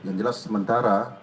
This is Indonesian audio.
yang jelas sementara